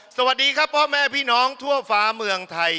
สวัสดีครับพ่อแม่พี่น้องทั่วฟ้าเมืองไทย